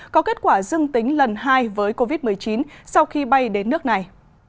có kết quả dưng tính lần hai với covid một mươi chín sau khi bay đến nước này